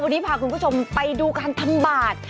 วันนี้พาคุณผู้ชมไปดูการทำบาท